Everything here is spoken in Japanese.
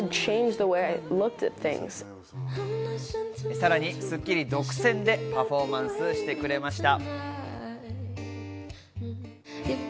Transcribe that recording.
さらに『スッキリ』独占でパフォーマンスしてくれました。